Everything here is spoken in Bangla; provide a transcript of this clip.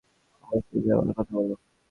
অবশ্যই যাও আর কথা বলো।